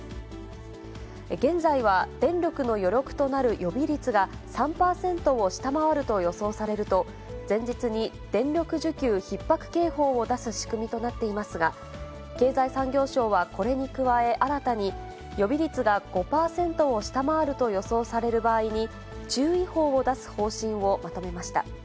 現在は電力の余力となる予備率が３％を下回ると予想されると、前日に電力需給ひっ迫警報を出す仕組みとなっていますが、経済産業省はこれに加え、新たに予備率が５％を下回ると予想される場合に、注意報を出す方針をまとめました。